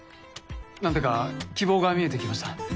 何だか希望が見えてきました。